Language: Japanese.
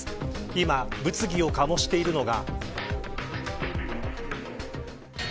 今、物議を醸しているのが。